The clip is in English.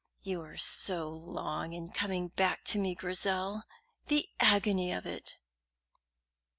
"You were so long in coming back to me, Grizel. The agony of it!"